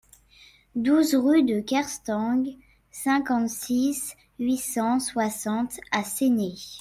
douze rue de Kerstang, cinquante-six, huit cent soixante à Séné